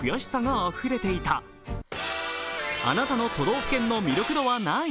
あなたの都道府県の魅力度は何位？